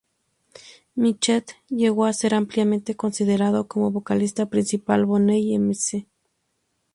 Mitchell llegó a ser ampliamente considerado como vocalista principal Boney M. 's.